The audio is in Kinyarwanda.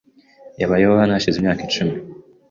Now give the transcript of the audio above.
Yabayeho hano hashize imyaka icumi .